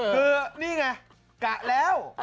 คือนี่ไงกะแล้ว